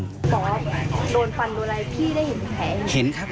บ๊อบโดนฟันโดนรายพี่ได้เห็นแผลไหม